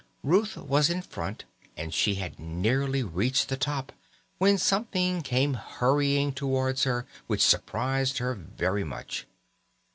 Ruth was in front, and she had nearly reached the top when something came hurrying towards her which surprised her very much.